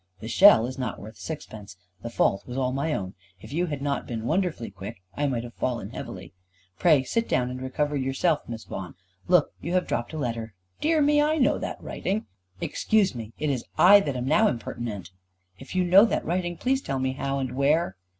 "The shell is not worth sixpence. The fault was all my own. If you had not been wonderfully quick, I must have fallen heavily. Pray sit down, and recover yourself, Miss Vaughan. Look, you have dropped a letter. Dear me, I know that writing! Excuse me; it is I that am now impertinent." "If you know that writing, pray tell me how and where."